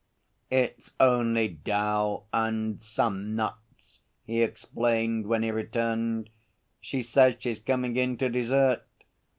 'It's only 'Dal and some nuts,' he explained when he returned. 'She says she's coming in to dessert.'